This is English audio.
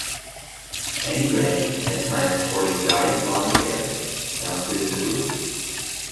Eddy Grant, at times sporting dyed blond hair, founded the group.